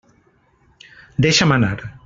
Deixa'm anar!